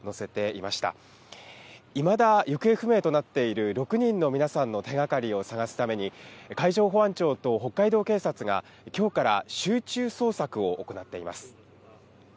いまだ行方不明となっている６人の皆さんの手がかりを捜すために、海上保安庁と北海道警察がきょうから集中捜索を行っています。